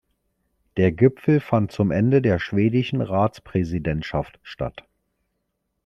Der Gipfel fand zum Ende der schwedischen Ratspräsidentschaft statt.